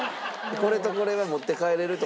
これとこれは持って帰れるとかじゃない。